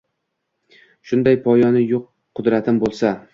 Shunday poyoni yo’q qudratim bo’lsa.